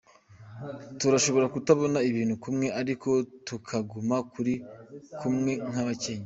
"Turashobora kutabona ibintu kumwe, ariko tukaguma turi kumwe nk'abakenya.